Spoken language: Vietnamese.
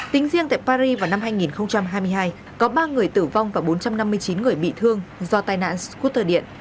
tính riêng tại paris vào năm hai nghìn hai mươi hai có ba người tử vong và bốn trăm năm mươi chín người bị thương do tai nạn scooter điện